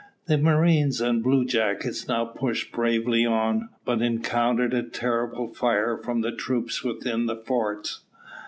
The marines and bluejackets now pushed bravely on, but encountered a terrific fire from the troops within the forts.